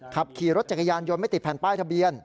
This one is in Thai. ขับขี่รถจักรยานยนต์ไม่ติดแผ่นป้ายทะเบียน